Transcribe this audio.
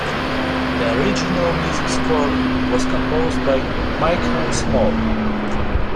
The original music score was composed by Michael Small.